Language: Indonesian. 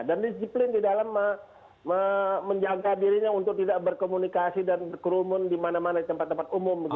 dan disiplin di dalam menjaga dirinya untuk tidak berkomunikasi dan berkerumun di mana mana tempat tempat umum gitu